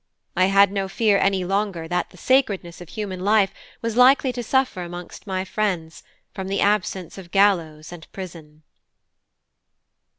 I had no fear any longer that "the sacredness of human life" was likely to suffer amongst my friends from the absence of gallows and prison.